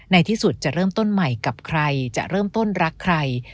ในที่สุดจะเริ่มต้นใหม่กับใครจะเริ่มต้นรักใคร